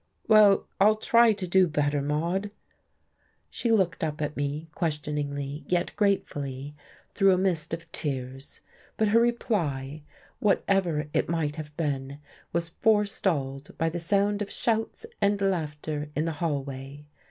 "Well, I'll try to do better, Maude." She looked up at me, questioningly yet gratefully, through a mist of tears. But her reply whatever it might have been was forestalled by the sound of shouts and laughter in the hallway.